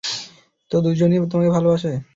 তো, দুজনই তোমাকে ভালোবাসে?